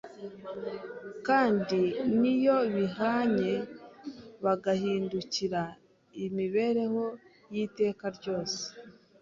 kandi n’iyo bihannye bagahindukira, imibereho y’iteka ryose